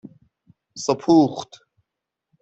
سپوخت